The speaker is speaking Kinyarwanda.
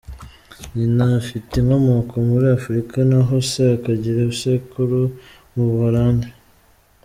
Nyina afite inkomoko muri Afurika naho se akagira ibisekuru mu Buholandi.